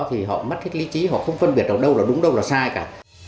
thì họ mất hết lý trí họ không phân biệt ở đâu là đúng đâu là sai cả